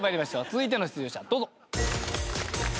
続いての出場者どうぞ。